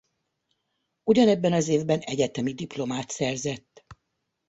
Ugyanebben az évben egyetemi diplomát szerzett.